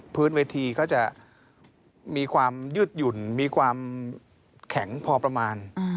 พื้นเวทีก็จะมียืดหยุ่นมีความแข็งพอประมาณ